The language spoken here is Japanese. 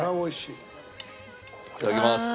いただきます。